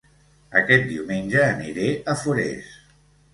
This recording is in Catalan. Aquest diumenge aniré a Forès